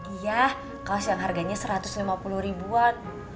iya kaos yang harganya satu ratus lima puluh ribuan